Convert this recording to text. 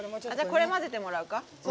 これ混ぜてもらうか。